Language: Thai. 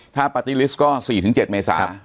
ถ้าปาร์ตี้ลิสต์ก็๔๗เมษา